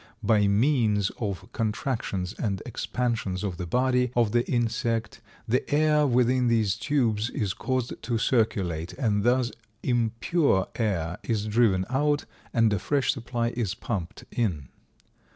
By means of contractions and expansions of the body of the insect, the air within these tubes is caused to circulate, and thus impure air is driven out and a fresh supply is pumped in.